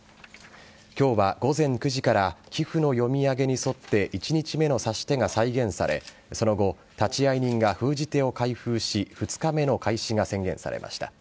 きょうは午前９時から棋譜の読み上げに沿って１日目の指し手が再現され、その後、立会人が封じ手を開封し、２日目の開始が宣言されました。